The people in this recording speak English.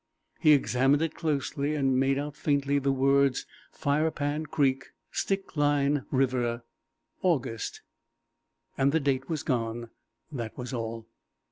He examined it closely, and made out faintly the words, "Firepan Creek, Stikine River, August...." and the date was gone. That was all.